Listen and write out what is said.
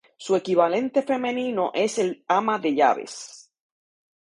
Su equivalente femenino es el ama de llaves.